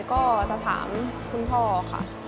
ก็จะถามคุณพ่อค่ะ